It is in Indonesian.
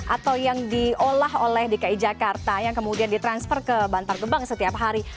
atau yang diolah oleh dki jakarta yang kemudian ditransfer ke bantar gebang setiap hari